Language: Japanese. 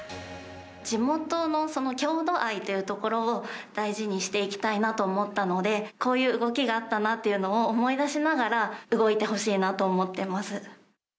地元のその郷土愛というところを、大事にしていきたいなと思ったので、こういう動きがあったなっていうのを、思い出しながら、動いてほしいなと思ってます。